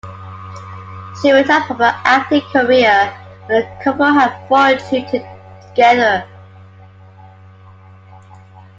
She retired from her acting career, and the couple had four children together.